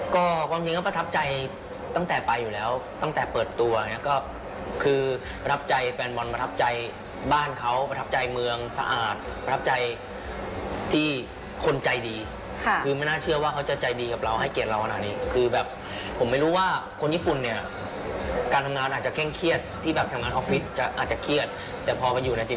ก็ความจริงก็ประทับใจตั้งแต่ไปอยู่แล้วตั้งแต่เปิดตัวอย่างเงี้ยก็คือประทับใจแฟนบอลประทับใจบ้านเขาประทับใจเมืองสะอาดประทับใจที่คนใจดีค่ะคือไม่น่าเชื่อว่าเขาจะใจดีกับเราให้เกียรติเราขนาดนี้คือแบบผมไม่รู้ว่าคนญี่ปุ่นเนี่ยการทำงานอาจจะเคร่งเครียดที่แบบทำงานออฟฟิศจะอาจจะเครียดแต่พอมาอยู่ในทีม